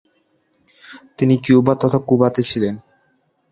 তিনি কিউবা তথা কুবাতে ছিলেন।